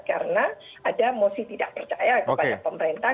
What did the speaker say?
karena ada mosi tidak percaya kepada pemerintah